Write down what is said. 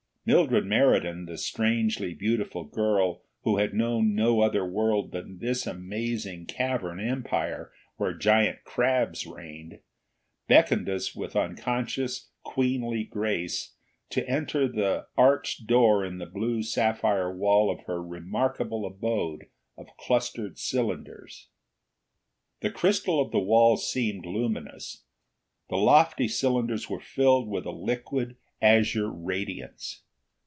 Mildred Meriden, the strangely beautiful girl who had known no other world than this amazing cavern empire where giant crabs reigned, beckoned us with unconscious queenly grace to enter the arched door in the blue sapphire wall of her remarkable abode of clustered cylinders. The crystal of the walls seemed luminous, the lofty cylinders were filled with a liquid, azure radiance.